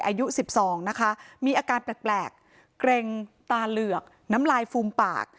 อายุ๑๒นะคะมีอาการแปลกเกร็งตาเหลือกน้ำลายฟูมปาก